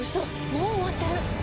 もう終わってる！